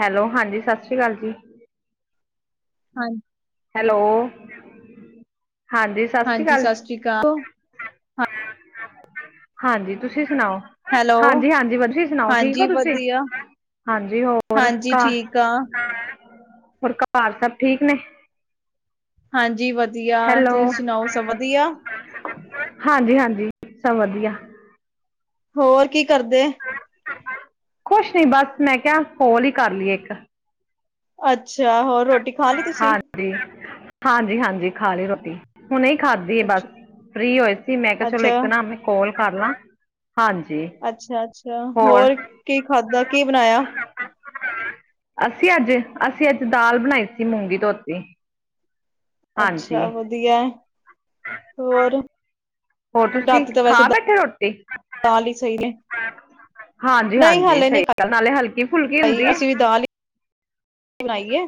Hello ਹਾਂਜੀ ਸਤਿ ਸ੍ਰੀ ਅਕਾਲ ਜੀ। ਹਾਂਜੀ ਹੈਲੋ ਹਾਂਜੀ ਸਤਿ ਸ਼੍ਰੀ ਅਕਾਲ! ਹਾਂਜੀ ਤੁਸੀਂ ਸੁਣਾਓ? ਹੈਲੋ ਹਾਂਜੀ-ਹਾਂਜੀ ਵਦੀਆ ਸੁਣਾਓ, ਠੀਕ ਹਾਂਜੀ ਹੋ ਤੁਸੀਂ? ਵਧੀਆ ਹਾਂਜੀ ਹੋਰ ਘਰ, ਹਾਂਜੀ ਠੀਕ ਆ ਹੋਰ ਘਰ ਸਭ ਠੀਕ ਨੇ? ਹਾਂਜੀ ਵਧੀਆ, ਹੈਲੋ ਤੁਸੀਂ ਸੁਣਾਓ ਸਭ ਵਧੀਆ? ਹਾਂਜੀ- ਹਾਂਜੀ ਸਭ ਵਧੀਆ ਹੋਰ ਕੀ ਕਰਦੇ? ਕੁਛ ਨੀ, ਬਸ ਮੈਂ ਕਿਹਾ, ਫੋਲ ਹੀ ਕਰ ਲਈਏ ਇੱਕ ਅੱਛਾ ਹੋਰ ਰੋਟੀ ਖਾ ਲਈ ਤੁਸੀਂ? ਹਾਂਜੀ ਹਾਂਜੀ- ਹਾਂਜੀ ਖਾ ਲਈ ਰੋਟੀ, ਹੁਣੇ ਹੀ ਖਾਧੀ ਬਸ ਅੱਛਾ ਫ੍ਰੀ ਹੋਏ ਸੀ, ਮੈਂ ਕਿਹਾ ਚਲੋ ਅੱਛਾ ਇੱਕ ਨਾ ਮੈਂ ਕੋਲ ਕਰ ਲਾਂ ਹਾਂਜੀ ਅੱਛਾ-ਅੱਛਾ ਹੋਰ ਕੀ ਖਾਧਾ, ਕੀ ਬਣਾਇਆ? ਅਸੀਂ ਅੱਜ ਅਸੀਂ ਅੱਜ ਦਾਲ ਬਣਾਈ ਸੀ ਮੂੰਗੀ ਧੋਤੀ ਹਾਂਜੀ ਅੱਛਾ ਵਧੀਆ ਹੋਰ ਹੋਰ ਤੁਸੀਂ, ਰਾਤੀ ਤਾਂ ਵੈਸੇ ਖਾ ਬੈਠੇ ਰੋਟੀ? ਦਾਲ ਹੀ ਸਹੀ ਨੇ ਹਾਂਜੀ- ਨਹੀਂ ਹਾਂਜੀ ਹਾਲੇ ਸਹੀ ਨਹੀਂ ਗੱਲ, ਨਾਲੇ ਹਲਕੀ ਫੁਲਕੀ ਹੁੰਦੀ ਹੈ। ਬਣਾਈਏ,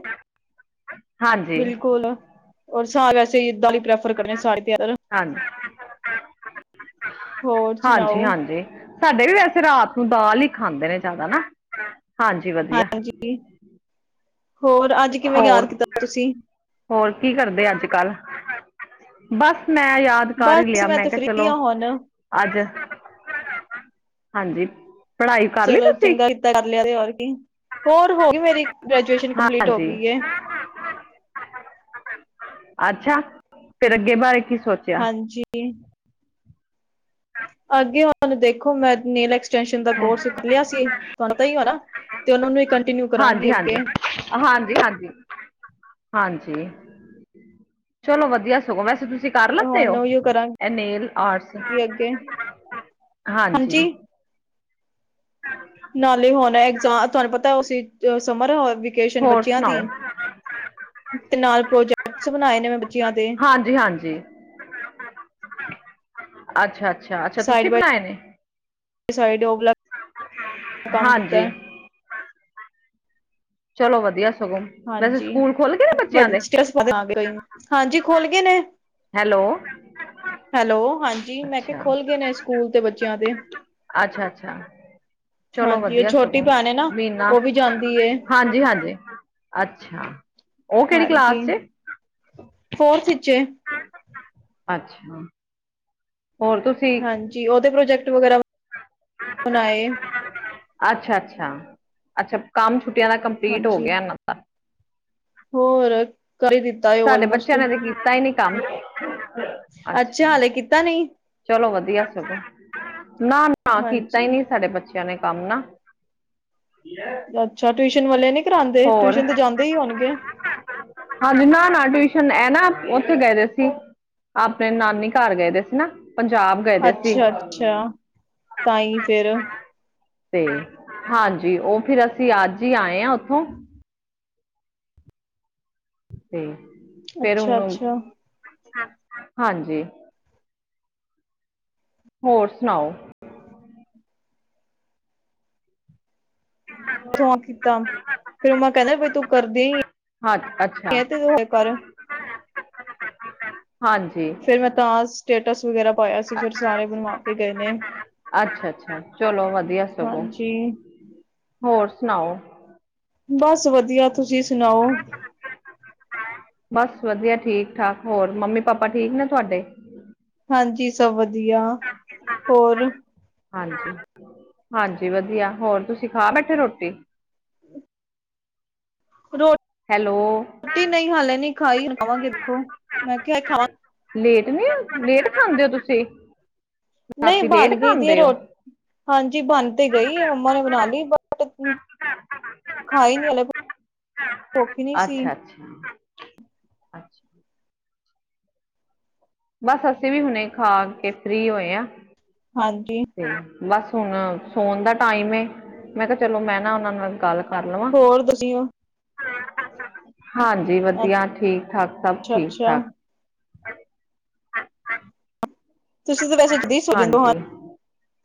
ਹਾਂਜੀ ਬਿਲਕੁਲ ਔਰ ਸਾਰੇ ਅਸੀ ਦਾਲ ਪ੍ਰਫ ਪ੍ਰੇਫਰ ਕਰਦੇ [unintelligible] ਹਾਂਜੀ - ਹੋਰ ਹਾਂਜੀ- ਸੁਣਾਓ ਹਾਂਜੀ ਸਾਡੇ ਵੀ ਵੈਸੇ ਰਾਤ ਨੂੰ ਦਾਲ ਹੀ ਖਾਂਦੇ ਨੇ ਜ਼ਿਆਦਾ ਨਾ ਹਾਂਜੀ ਵਧੀਆ ਹਾਂਜੀ ਹੋਰ ਅੱਜ ਕਿਵੇਂ ਹੋਰ ਯਾਦ ਕੀਤਾ ਤੁਸੀਂ ਹੋਰ ਕੀ ਕਰਦੇ ਅੱਜ ਕੱਲ ਬਸ ਮੈਂ ਯਾਦ ਕਰ ਹੀ ਬਸ ਲਿਆ, ਮੈਂ ਤੇ ਕਿਹਾ ਫ੍ਰੀ ਚਲੋ ਹਾਂ ਹੁਣ। ਅੱਜ ਹਾਂਜੀ ਪੜ੍ਹਾਈ ਕਰ ਲਈ ਚਲੋ ਤੁਸੀਂ ਚੰਗਾ ਕੀਤਾ ਕਰ ਲਿਆ ਤੇ ਹੋਰ ਕੀ ਹੋਰ ਹੋਗੀ ਮੇਰੀ ਗ੍ਰੈਜੂਏਸ਼ਨ ਹਾਂ ਕੰਪਲੀਟ ਹੋ ਹਾਂਜੀ। ਗਈ ਏ। ਅੱਛਾ ਫੇਰ ਅੱਗੇ ਬਾਰੇ ਕੀ ਸੋਚ? ਹਾਂਜੀ। ਹਾਂ। [inaudible] ਅੱਗੇ ਉਹ ਦੇਖੋ ਮੈਂ ਨੀਲੈਕ [unintelligible] ਫੈਸ਼ਨ ਦਾ ਕੋਰਸ ਕਰ ਲਿਆ ਸੀ ਤੁਹਾਨੂੰ ਤਾਂ ਹੀ ਨਾ ਤੇ ਉਹਨਾਂ ਨੂੰ ਕੰਟੀਨਿਊ ਕਰਾਂਗੀ ਹਾਂਜੀ ਹਾਂਜੀ ਅੱਗੇ। ਹਾਂਜੀ ਹਾਂਜੀ ਹਾਂਜੀ। ਚਲੋ ਵਧੀਆ ਸਗੋਂ ਵੈਸੇ ਤੁਸ। ਤੁਸੀਂ ਕਰ ਲਤੇ ਹੁਣ ਹੋ ਉਹੀਓ ਕਰਾਂਗੀ ਏ ਨੇਲ ਆਰਟਸ ਅੱਗੇ ਹਾਂਜੀ। ਹਾਂ। [unintelligible] ਨਾਲ ਹੀ ਹੋਨ ਐਗਜ਼ਾ ਤੁਹਾਨੂੰ ਪਤਾ ੳ ਸਮਰ ਏਜੁਕੇਸ਼ਨ ਹੋਰ ਬੱਚਿਆਂ ਦੀ ਸੁਣਾਓ ਤੇ ਨਾਲ ਪ੍ਰੋਜੈਕਟਸ ਬਨਾਏ ਨੇ ਮੈਂ ਬੱਚਿਆਂ ਦੇ। ਜੀ ਹਾਂਜੀ ਅੱਛਾ ਅੱਛਾ ਅੱਛਾ ਤੁਸੀਂ ਬਨਾਏ ਨੇ। ਸਡ ਗਲਾ [unintelligible] ਹਾਂਜੀ। ਚਲੋ ਵਧੀਆ ਸਗੋਂ ਵੈਸੇ ਹਾਂਜੀ ਸਕੂਲ ਖੁੱਲ ਗਏ ਨੇ ਬੱਚਿਆਂ ਦੇ ਪਤਾ ਹਾਂਜੀ ਖੋਲ ਗਏ ਨੇ। [unintelligible] ਹੈਲੋ। ਹੈਲੋ ਹਾਂਜੀ ਮੈਂ ਕਿਆ ਅੱਛਾ ਖੁਲ੍ਹ ਗਏ ਨੇ ਸਕੂਲ ਤੇ ਬੱਚਿਆਂ ਦੇ। ਅੱਛਾ ਅੱਛਾ ਚਲੋ ਹਾਂਜੀ ਉਹ ਵਧੀਆ ਛੋਟੀ ਸਗੋਂ ਭੈਣ ਏ ਨਾ ਮਿਨਾ ਉਹ ਵੀ ਜਾਂਦੀ ਏ ਹਾਂਜੀ ਹਾਂਜੀ। ਅੱਛਾ ਉਹ ਕਿਹੜੀ ਹਾਂਜੀ ਕਲਾਸ ਚ ਏ। ਫੋਰਥ ਇਚ ਏ। ਅੱਛਾ। ਹੋਰ ਤੁਸੀਂ ਹਾਂਜੀ ਉਹਦੇ ਪ੍ਰੋਜੈਕਟ ਵਗੈਰਾ ਬਨਾਏ ਅੱਛਾ ਅੱਛਾ ਅੱਛਾ ਕੰਮ ਛੁੱਟੀਆਂ ਦਾ ਕੰਪਲੀਟ ਹੋ ਹਾਂਜੀ ਗਿਆ ਇਹਨਾਂ ਦਾ। ਹੋਰ ਕਰ ਈ ਦਿੱ। ਸਾਡੇ ਬੱਚਿਆਂ ਨੇ ਤੇ ਕੀਤਾ ਈ ਨੀ ਕੰਮ ਅੱਛਾ। ਕੀਤਾ ਨਹੀਂ। ਚਲੋ ਵਧੀਆ ਸਗੋਂ ਨਾ ਨਾ ਕੀਤਾ ਈ ਹਾਂਜੀ ਨਹੀਂ ਸਾਡੇ ਬੱਚੇ ਜਾਣੇ ਕੰਮ ਨਾ।। ਅੱਛਾ ਟਿਊਸ਼ਨ ਵਾਲੇ ਨੀ ਕਰਾਂਦੇ ਟਿਊਸ਼ਨ ਤੇ ਜਾਂਦੇ ਹੀ ਹੋਨਗੇ। ਅੱਜ ਨਾ ਨਾ ਟਿਊਸ਼ਨ ਏ ਨਾ ਉੱਥੇ ਗਏ ਦੇ ਸੀ। ਅਪਨੇ ਨਾਨੀ ਘਰ ਗਏ ਦੇ ਸੀ ਨਾ। ਪੰਜਾਬ ਗਏ। ਦੇ ਸੀ ਅੱਛਾ ਅੱਛਾ ਤਾਂ ਹੀ ਫੇਰ ਤੇ ਹਾਂਜੀ ਉਹ ਫਿਰ ਅਸੀਂ ਅੱਜ ਈ ਆਏ ਹਾਂ ਉੱਥੋਂ ਹ। [unintelligible] ਤੇ ਫੇਰ ਅੱਛਾ ਉਹਨੂੰ ਅੱਛਾ ਹਾਂਜੀ। ਹੋਰ ਸੁਨਾਓ? ਸੋ ਕੀਤਾ ਫੇਿਰ ਮੈਂ ਕਹਿੰਦਾ ਬਈ ਤੂੰ ਕਰਦੀ ਹੀ ਹਾਂ ਅੱਛਾ ਤੇ ਤੂੰ ਹੋ ਕਰ। [unintelligible] ਹਾਂਜੀ ਫਿਰ ਮੈਂ ਤਾਂ ਸਟੇਟਸ ਵਗੈਰਾ ਪਾਇਆ ਸੀ ਫਿਰ ਸਾਰੇ ਬਣਵਾ ਕੇ ਗਏ ਨੇ। ਅੱਛਾ -ਅੱਛਾ ਚਲੋ ਵਧੀਆ ਸਗੋਂ ਹਾਂਜੀ ਹੋਰ ਸੁਣਾਓ। ਬਸ ਵਧੀਆ ਤੁਸੀਂ ਸੁਣਾਓ। ਬਸ ਵਧੀਆ ਠੀਕ ਠਾਕ ਹੋਰ ਮੰਮੀ ਪਾਪਾ ਠੀਕ ਨੇ ਤੁਹਾਡੇ ਹਾਂਜੀ ਸਭ ਵਧੀਆ ਹੋਰ ਹਾਂਜੀ ਹਾਂਜੀ ਵਧੀਆ ਹੋਰ ਤੁਸੀਂ ਖਾ ਬੈਠੇ ਰੋਟੀ? ਰੋਜ਼। ਹੈਲੋ। ਰੋਟੀ ਨਹੀਂ ਹਾਲੇ ਨੀ ਖਾਈ ਖਵਾਂਗੇ ਖੋ ਮੈਂ ਕਿਹਾ ਖਾ ਲੇਟ ਨੀ ਹੁੰਦੇ ਲੇਟ ਖਾਂਦੇ ਹੋ ਤੁਸੀਂ ਨਹੀਂ ਰਾਤੀ ਲੇਟ ਬਣ ਗਈ ਦੀ ਖਾਂਦੇ ਹੋ ਰੋਟੀ ਹਾਂਜੀ ਬਣ ਤੇ ਗਈ ਮੰਮਾ ਨੇ ਬਣਾ ਲਈ ਬਟ [unintelligible] ਖਾਈ ਨੀ ਹੱਲੇ ਭੁੱਖ ਨਹੀ ਸੀ। ਅੱਛਾ ਅੱਛਾ ਅੱਛਾ ਬਸ ਅਸੀਂ ਵੀ ਹੁਣੇ ਖਾ ਕੇ ਫਰੀ ਹੋਏ ਹਾਂ। ਹਾਂਜੀ ਬਸ ਹੁਣ ਸੋਣ ਦਾ ਟਾਈਮ ਏ ਮੈਂ ਕਿਹਾ ਚਲੋ ਮੈਂ ਨਾ ਉਹਨਾਂ ਨਾਲ ਗੱਲ ਕਰ ਲਵਾਂ ਹੋਰ ਤੁਸੀਂ ਹਾਂਜੀ ਵਧੀਆ ਠੀਕ ਠਾਕ ਸਭ ਅੱਛਾ ਠੀਕ ਅੱਛਾ ਠਾਕ ਤੁਸੀਂ ਤਾਂ ਵੈਸੇ ਜਲਦੀ ਸੋ ਜਾਂਦੇ ਹੋ ਹਾਂਜੀ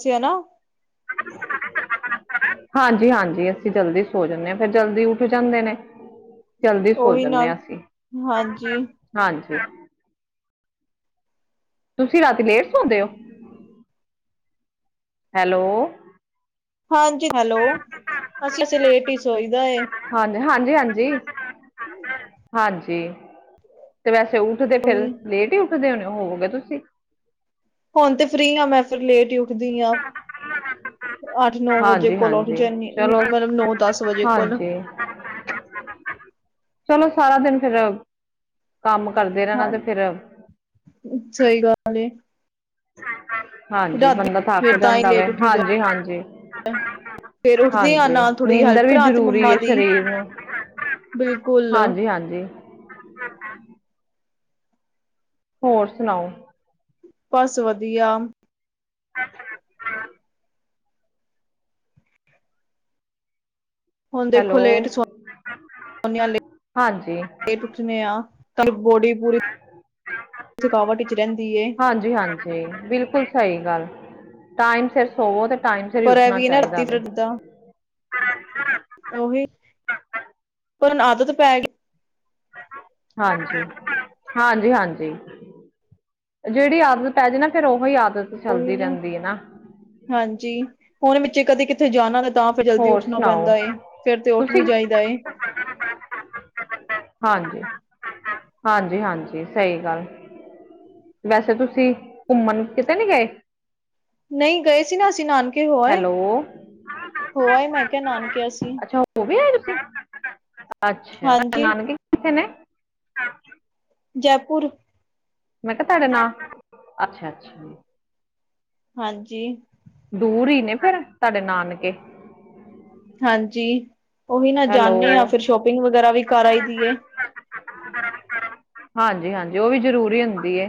ਜੀ ਹਨਾ। [unintelligible] [inaudible] ਹਾਂਜੀ- ਹਾਂਜੀ ਅਸੀਂ ਜਲਦੀ ਸੋ ਜਾਂਨੇ ਹਾਂ ਫੇਿਰ ਜਲਦੀ ਉੱਠ ਜਾਂਦੇ ਨੇ। ਜਲਦੀ ਸੋ ਉਹੀ ਜਾਂਦੇ ਨਾਲ ਹਾਂ ਅਸੀਂ ਹਾਂਜੀ ਹਾਂਜੀ। ਤੁਸੀਂ ਰਾਤੀ ਲੇਟ ਸੌਂਦੇ ਹੋ। ਹੈਲੋ ਹਾਂਜੀ ਹੈਲੋ ਅਸੀ ਤੇ ਲੇਟ ਈ ਸੋਈ ਦਾ ਏ। ਹਾਂਜੀ -ਹਾਂਜੀ -ਹਾਂਜੀ। ਹਾਂਜੀ ਤੇ ਵੈਸੇ ਉੱਠਦੇ ਫਿਰ ਉਹੀ ਲੇਟ ਹੀ ਉੱਠਦੇ ਹੋਣੇ ਹੋਵਗੇ ਤੁਸੀਂ ਹੁਣ ਤੇ ਫ੍ਰਰੀ ਹਾਂ ਮੈਂ ਫਿਰ ਲੇਟ ਹੀ ਉੱਠਦੀ ਆਂ। ਅੱਠ ਨੌ ਵਜੇ ਹਾਂਜੀ ਕੋਲ ਉੱਠ ਹਾਂਜੀ ਜਾਨੀ ਚਲੋ ਮਤਲਬ ਨੌ ਦਸ ਵਜੇ ਕੋਲ [inaudible] ਚਲੋ ਸਾਰਾ ਦਿਨ ਫੇਰ ਕੰਮ ਕਰਦੇ ਰਹਿਣਾ ਤੇ ਹਾਂਜੀ ਫੇਰ ਸਹੀ ਗੱਲ ਏ। ਹਾਂਜੀ ਰਾਤੀ ਬੰਦਾ ਥੱਕ ਫਿਰ ਤਾਂ ਹੀ ਜਾਂਦਾ ਵੇ ਲੇਟ ਉੱਠੀ ਦਾ ਹਾਂਜੀ ਹਾਂਜੀ ਏ। [inaudible] ਫੇਰ ਉੱਠਦੀ ਆ ਹਾਂਜੀ ਨਾ ਥੋੜ੍ਹੀ ਹੈਲਪ ਨੀਂਦਰ ਵੀ ਕਰਾ ਤੇ ਜ਼ਰੂਰੀ ਮੰਮਾ ਹੈ ਦੀ ਸਰੀਰ ਨੂੰ ਬਿਲਕੁਲ ਹਾਂਜੀ ਹਾਂਜੀ ਹੋਰ ਸੁਣਾਓ। ਬਸ ਵਧੀਆ [unintelligible] ਹੁਣ ਦੇਖੋ ਹੈਲੋ ਲੇਟ ਸੋੋਣੇ [inaudible] ਹਾਂਜੀ ਲੇਟ ਉਠਣੇ ਆ ਤਾਨੂੰ ਬੋਡੀ ਪੂਰੀ ਥਕਾਵਟ ਵਿਚ ਰਹਿੰਦੀ ਏ ਹਾਂਜੀ ਜੀ ਹਾਂਜੀ ਬਿਲਕੁਲ ਸਹੀ ਗੱਲ ਟਾਈਮ ਸਿਰ ਸੋਵੋ ਤੇ ਟਾਈਮ ਸਿਰ ਹੀ ਪਰ ਇਹ ਉੱਠਣਾ ਵੀ ਨਾ ਚਾਹੀਦਾ ਰਾਤੀ ਫਿਰ ਵੇ। ਏਦਾਂ ਉਹੀ ਪਰ ਆਦਤ ਪੈ ਗਈ। ਹਾਂਜੀ -ਹਾਂਜੀ -ਹਾਂਜੀ। ਜਿਹੜੀ ਆਦਤ ਪੈ ਜਾ ਨਾ ਫੇਰ ਉਹੀ ਆਦਤ ਕੋਈ ਚੱਲਦੀ ਨਾ ਰਹਿੰਦੀ ਹੈ ਹਾਂਜੀ ਹੁਣ ਵਿੱਚੇ ਕਦੇ ਕਿਥੇ ਜਾਣਾ। ਤਾਂ ਫਿਰ ਜਲਦੀ ਹੋਰ ਉੱਠਣਾ ਸੁਣਾਓ ਪੈਂਦਾ ਏ ਫੇਰ ਤੇ ਉੱਠ ਤੁਸੀਂ ਵੀ ਜਾਈਦਾ ਏ। [inaudible] ਹਾਂਜੀ -ਹਾਂਜੀ -ਹਾਂਜੀ ਸਹੀ ਗੱਲ ਵੈਸੇ ਤੁਸੀਂ ਘੁੰਮਣ ਕਿਤੇ ਨੀ ਗਏ ਨਹੀਂ ਗਏ ਸੀ ਨਾ ਅਸੀਂ ਨਾਨਕੇ ਹੋ ਆਏ, ਹੈਲੋ ਹੋ ਆਏ ਮੈਂ ਕਿਹਾ ਨਾਨਕੇ ਅਸੀਂ ਉਹ ਵੀ ਆਏ ਦੇ ਸੀ, ਅੱਛਾ ਹਾਂਜੀ ਨਾਨਕੇ ਕਿਥੇ ਨੇ ਜੈਪੁਰ ਮੈਂ ਕਿਹਾ ਤੁਹਾਡੇ ਨਾਂ ਅੱਛਾ- ਅੱਛਾ ਹਾਂਜੀ ਦੂਰ ਹੀ ਨੇ ਫੇਰ ਤੁਹਾਡੇ ਨਾਨਕੇ ਹਾਂਜੀ ਉਹੀ ਨਾ ਹੈਲੋ ਜਾਂਨੇ ਆ, ਫਿਰ ਸ਼ੋਪਿੰਗ ਵਗੈਰਾ ਵੀ ਕਰ ਆਈ ਦੀ ਐ। ਹਾਂਜੀ ਹਾਂਜੀ ਉਹ ਵੀ ਜ਼ਰੂਰੀ ਹੁੰਦੀ ਏ।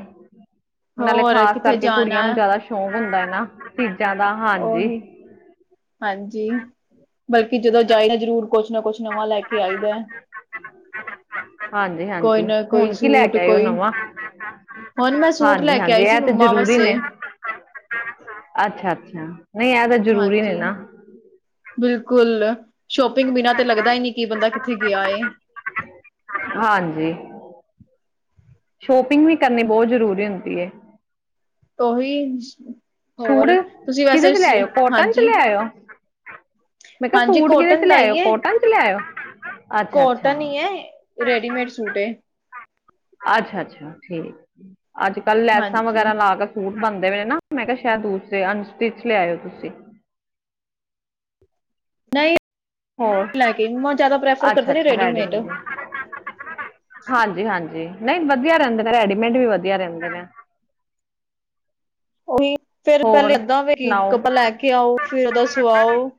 ਨਾਲੇ ਹੋਰ ਖ਼ਾਸ ਕਿੱਥੇ ਕਰਕੇ ਕੁੜੀਆਂ ਜਾਣਾ, ਨੂੰ ਜ਼ਿਆਦਾ ਸ਼ੌਕ ਹੁੰਦਾ ਹੈ ਨਾ, ਚੀਜ਼ਾਂ ਦਾ ਹਾਂਜੀ। ਉਹੀ ਹਾਂਜੀ ਬਲਕਿ ਜਦੋਂ ਜਾਏ ਨਾ ਜ਼ਰੂਰ ਕੁਛ ਨਾ ਕੁਛ ਨਵਾਂ ਲੈ ਕੇ ਕੀ ਆਈ ਦਾ ਹਾਂਜੀ ਕੋਈ ਹਾਂਜੀ ਨਾ, ਕੋਈ ਹੁਣ ਕੀ ਲੈ ਸੂਟ ਕੇ ਆਏ ਉਹ ਕੋਈ ਨਵਾਂ ਹੁਣ ਮੈਂ ਸੂਟ ਲੈ ਹਾਂਜੀ ਕੇ ਹਾਂਜੀ ਆਈ ਸੀ, ਇਹ ਤੇ ਮੰਮਾ ਜ਼ਰੂਰੀ ਵਾਸਤੇ। ਨੇ ਅੱਛਾ ਅੱਛਾ ਇਹ ਤਾਂ ਜ਼ਰੂਰੀ ਨੇ ਹਾਂਜੀ ਨਾ ਬਿਲਕੁਲ, ਸ਼ੋਪਿੰਗ ਬਿਨਾਂ ਤੇ ਲੱਗਦਾ ਹੀ ਨਹੀਂ ਕੀ ਬੰਦਾ ਕਿੱਥੇ ਗਿਆ ਏ। ਹਾਂਜੀ ਸ਼ੋਪਿੰਗ ਵੀ ਕਰਨੀ ਬਹੁਤ ਜ਼ਰੂਰੀ ਹੁੰਦੀ ਏ। ਉਹੀ ਸੂਟ ਹੋਰ, ਤੁਸੀਂ ਕਿਹਦੇ ਚ ਵੈਸੇ, ਲਿਆਇਓ ਕੋਟਨ ਚ ਹਾਂਜੀ। ਲਿਆਇਓ ਮੈਂ ਕਿਹਾ ਹਾਂਜੀ ਸੂਟ ਕਿਹਦੇ ਕੋਟਨ ਚ ਦਾ ਲਿਆਇਓ ਹੀ ਹੈ, ਕੋਟਨ ਚ ਲਿਆਇਓ ਅੱਛਾ ਕੋਟਨ ਅੱਛਾ ਹੀ ਹੈ। ਰੈਡੀਮੇਡ ਸੂਟ ਹੈ ਅੱਛਾ ਅੱਛਾ ਠੀਕ, ਅੱਜ ਕੱਲ ਲੈਸਾਂ ਹਾਂਜੀ ਵਗੈਰਾ ਲਾ ਕੇ ਸੂਟ ਬਣਦੇ ਵੇ ਨਾ, ਮੈਂ ਕਿਹਾ ਸ਼ਾਇਦ ਅਨਸਟਿਚ ਲਿਆਯੋ ਤੁਸੀਂ। ਨਹੀਂ ਹੋਰ ਲੈ ਕੇ, ਨੂਯਾ ਜ਼ਿਆਦਾ ਪ੍ਰੈਫਰ ਅੱਛਾ ਕਰਦੇ ਨੇ ਅੱਛਾ ਰੈਡੀਮੇਡ ਹਾਂਜੀ ਹਾਂਜੀ ਨਹੀਂ ਵਧੀਆ ਰਹਿੰਦੇ ਨੇ, ਰੈਡੀਮੇਡ ਵੀ ਵਧੀਆ ਰਹਿੰਦੇ ਨੇ। ਉਓਹੀ ਫੇਰ ਪਹਿਲੇ ਹੋਰ ਏਦਾਂ ਵ ਸੁਣਾਓ ਕੱਪੜਾ ਲੈ ਕੇ ਆਓ, ਫਿਰ ਔ ਦਾ ਸੁਆਯੋ।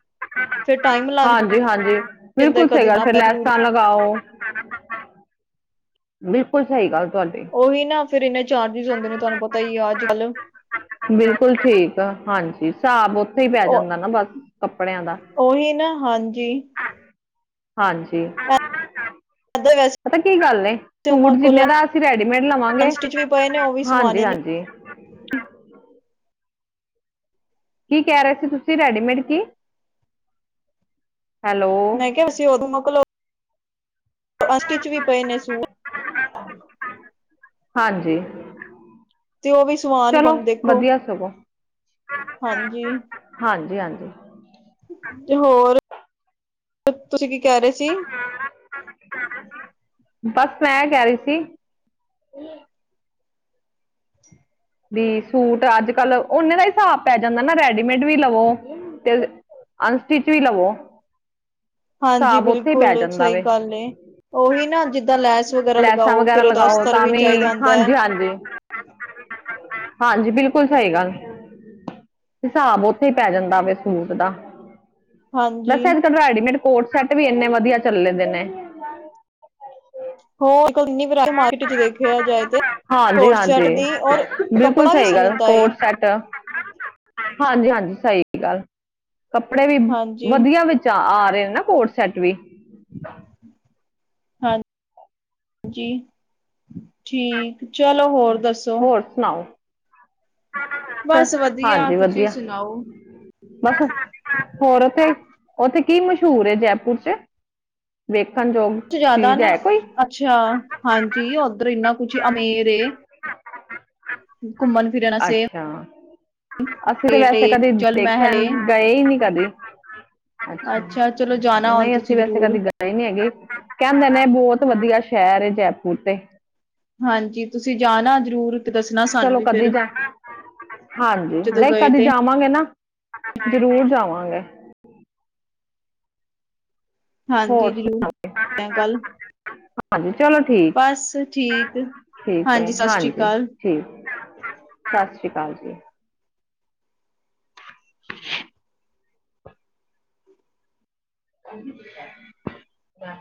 ਹਾਂਜੀ ਹਾਂਜੀ ਜਾਂਦਾ ਬਿਲਕੁਲ ਸਹੀ ਕਦੀ ਗੱਲ, ਫਿਰ ਆਪਣਾ ਜ਼ਰੂਰੀ ਲੈਸਾਂ ਲਗਾਓ। ਬਿਲਕੁਲ ਸਹੀ ਗੱਲ ਤੁਹਾਡੀ ਉਹੀ ਨਾ ਫਿਰ ਇਨਾਂ ਚਾਰਜਿਸ ਹੁੰਦੇ ਨੇ, ਤੁਹਾਨੂੰ ਪਤਾ ਹੀ ਆ ਅੱਜ ਕੱਲ੍ਹ। ਬਿਲਕੁਲ ਠੀਕ ਆ ਹਾਂਜੀ, ਹਿਸਾਬ ਉਥੇ ਹੀ ਪੈ ਜਾਂਦਾ, ਨਾ ਬਸ ਕੱਪੜਿਆਂ ਦਾ। ਉਹੀ ਨਾ ਹਾਂਜੀ ਹਾਂਜੀ ਏ ਦਾ ਵੈਸੇ ਪਤਾ ਕੀ ਗੱਲ ਨੇ, ਮੰਮਾ ਸੂਟ ਕੋਲ ਜਿੰਨੇ ਦਾ ਅਸੀਂ ਰੈਡੀਮੇਡ ਲਵਾਂਗੇ, ਅਨਸਟਿਚ ਵੀ ਪਏ ਨੇ ਉਹ ਵੀ ਹਾਂਜੀ ਸਵਾਣੇ ਨੇ ਹਾਂਜੀ ਕੀ ਕਹਿ ਰਹੇ ਸੀ ਤੁਸੀਂ ਰੈਡੀਮੇਡ ਕੀ, ਹੈਲੋ ਕੀ ਅਸੀਂ ਉਦੋਂ ਮੁੱਕਲੋ ਅਸਟਿਚ ਵੀ ਪਏ ਨੇ, ਸੂਟ। ਹਾਂਜੀ ਤੇ ਉਹ ਵੀ ਸਵਾਨ ਚਲੋ ਹੁਣ ਦੇਖੋ ਵਧੀਆ ਸਗੋਂ, ਹਾਂਜੀ ਹਾਂਜੀ ਹਾਂਜੀ ਤੇ ਹੋਰ, ਤੁਸੀਂ ਕੀ ਕਹਿ ਰਹੇ ਸੀ। ਬਸ ਮੈਂ ਐ ਕਹਿ ਰਹੀ ਸੀ ਜ [unintelligible] ਵੀ ਸੂਟ ਅੱਜ ਕੱਲ ਓਨੇ ਦਾ ਹਿਸਾਬ ਪੈ ਜਾਂਦਾ ਨਾ, ਰੈਡੀਮੇਡ ਵੀ ਲਵੋ ਤੇ ਅਨ ਸਟੀਚ ਵੀ ਲਵੋ ਹਾਂਜੀ ਹਿਸਾਬ ਉੱਥੇ ਹੀ ਪੈ ਬਿਲਕੁਲ ਜਾਂਦਾ ਸਹੀ ਵੇ ਗੱਲ ਏ ਉਹੀ ਨਾ ਜਿੱਦਾਂ ਲੈਸ ਵਗੈਰਾ ਲੈਸਾਂ ਲਗਾਓ ਵਗੈਰਾ ਫਿਰ ਉਹਦਾ ਲਗਾਓ ਅਸਤਰ ਤਾਂ ਵੀ, ਚਾਹੀਦਾ ਹੁੰਦਾ ਹੈ ਹਾਂਜੀ ਹਾਂਜੀ ਹਾਂਜੀ ਬਿਲਕੁਲ ਸਹੀ ਗੱਲ ਹਿਸਾਬ ਉੱਥੇ ਹੀ ਪੈ ਜਾਂਦਾ ਵੇ, ਸੂਟ ਦਾ ਹਾਂਜੀ ਦਸੇ ਅੱਜ ਕੱਲ੍ਹ ਰੈਡੀਮੇਡ ਕੋਡ ਸੈੱਟ ਵੀ ਇੰਨੇ ਵਧੀਆ ਚੱਲੇ ਨੇ। ਹੋਰ ਕੱਲੰਨੀ [inaudible] ਵਰਾ ਮਾਰਕੀਟ ਚ ਦੇਖਿਆ ਜਾਏ ਤੇ। ਹਾਂਜੀ, ਕੋਟ ਸੈਟ ਹਾਂਜੀ, ਦੀ ਔਰ ਬਿਲਕੁਲ ਕੱਪੜਾ ਵੀ ਸਹੀ ਗੱਲ, ਹੁੰਦਾ ਏ ਕੋਰਡ ਸੈਟ। ਹਾਂਜੀ ਹਾਂਜੀ ਸਹੀ ਕਿਹਾ ਕੱਪੜੇ ਵੀ ਹਾਂਜੀ ਵਧੀਆ ਵਿੱਚ। ਹਾਂ ਆ ਰਹੇ ਨੇ ਨਾ ਕੋਰਡ ਸੈੱਟ ਵੀ ਜੀ ਠੀਕ, ਚਲੋ ਹੋਰ ਦੱਸੋ? ਹੋਰ ਸੁਣਾਓ। ਚ ਬਸ ਵਧੀਆ ਹਾਂਜੀ ਤੁਸੀਂ ਵਧੀਆ ਸੁਣਾਓ? ਬਸ ਵਧੀਆ ਹੋਰ ਉੱਥੇ, ਉੱਥੇ ਕੀ ਮਸ਼ਹੂਰ ਏ ਜੈਪੁਰ ਚ। ਵੇਖਣ ਯੋਗ। ਜ਼ਿਆਦਾ ਚੀਜ਼ ਨਾ ਹੈ ਕੋਈ ਅੱਛਾ, ਹਾਂਜੀ ਉੱਧਰ ਇੰਨਾ ਕੁਛ ਅਮੇਰ ਏ। ਘੁੰਮਣ ਫਿਰਨ ਅਸੀਂ ਤਾਂ ਅਸੀਂ ਤਾਂ ਵੈਸੇ ਕਦੇ ਜਲ ਮਹਿਲ ਦੇਖਣ ਏ ਗਏ ਹੀ ਨਹੀਂ ਕਦੇ। ਅੱਛਾ, ਚਲੋ ਜਾਣਾ ਹੁਣ ਨਹੀਂ ਅਸੀਂ ਤੁਸੀਂ ਵੈਸੇ ਜ਼ਰੂਰ ਕਦੀ ਗਏ। ਨਹੀ ਗਏ ਹੈਗੇ ਕਹਿੰਦੇ ਨੇ ਇਹ ਬਹੁਤ ਵਧੀਆ ਸ਼ਹਿਰ ਜੈਪੁਰ ਤੇ। ਹਾਂਜੀ ਤੁਸੀਂ ਜਾਣਾ ਜ਼ਰੂਰ। ਤੇ ਦੱਸਣਾ ਸਾਨੂੰ ਚਲੋ ਵੀ ਕਦੀ ਫਿਰ ਜਾ ਹਾਂਜੀ ਜਦੋਂ ਨਹੀਂ ਗਏ ਕਦੀ ਜਾ। ਤੇ ਜਾਵਾਂਗੇ ਨਾ ਜਰੂਰ ਜਾਵਾਂਗੇ। ਹੋਰ ਹਾਂਜੀ ਜ਼ਰੂਰ ਸੁਣਾਉ? ਗੱਲ ਹਾਂਜੀ, ਚਲੋ ਠੀਕ ਬਸ ਠੀਕ ਠੀਕ ਹੈ ਸਤਿ ਸ੍ਰੀ ਹਾਂਜੀ। ਅਕਾਲ ਠੀਕ ਸਤਿ ਸ਼੍ਰੀ ਅਕਾਲ ਜੀ। ਨਾ ਕਰ